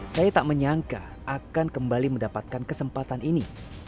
saya tak menyangka akan kembali mendapatkan kesempatan ini